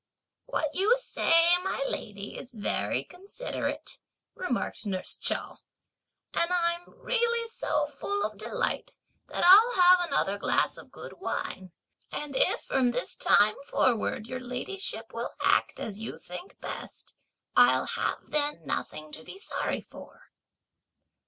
"What you say, my lady, is very considerate," remarked nurse Chao, "and I'm really so full of delight that I'll have another glass of good wine! and, if from this time forward, your ladyship will act as you think best, I'll have then nothing to be sorry for!"